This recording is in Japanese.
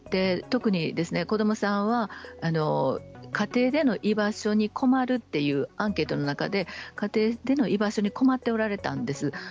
特に子どもさんは家庭での居場所に困るというアンケートの中で家庭での居場所に困っていらっしゃったんです。